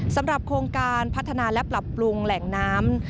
สำหรับโครงการพัฒนาและปรับปรุงแหล่งน้ำ